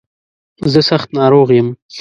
زه سخت ناروغ يم.